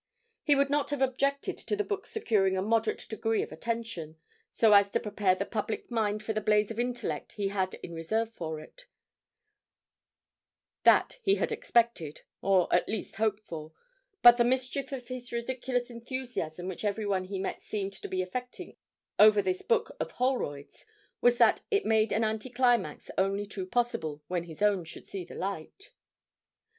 He would not have objected to the book's securing a moderate degree of attention, so as to prepare the public mind for the blaze of intellect he had in reserve for it that he had expected, or at least hoped for but the mischief of this ridiculous enthusiasm which everyone he met seemed to be affecting over this book of Holroyd's was that it made an anticlimax only too possible when his own should see the light.